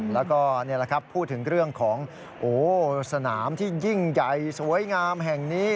แล้วก็นี่แหละครับพูดถึงเรื่องของสนามที่ยิ่งใหญ่สวยงามแห่งนี้